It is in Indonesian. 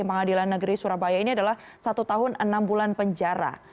pengadilan negeri surabaya ini adalah satu tahun enam bulan penjara